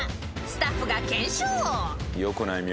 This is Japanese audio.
スタッフが検証］